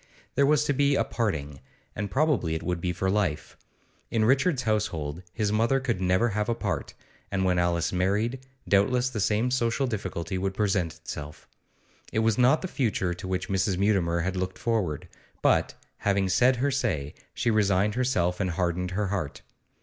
There was to be a parting, and probably it would be for life. In Richard's household his mother could never have a part, and when Alice married, doubtless the same social difficulty would present itself. It was not the future to which Mrs. Mutimer had looked forward, but, having said her say, she resigned herself and hardened her heart.